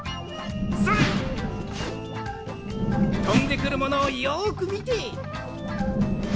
とんでくるものをよくみて。